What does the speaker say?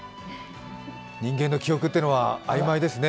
人間の記憶というのは曖昧ですね。